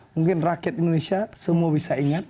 mungkin rakyat indonesia semua bisa ingat